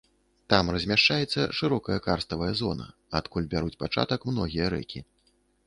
Там размяшчаецца шырокая карставая зона, адкуль бяруць пачатак многія рэкі.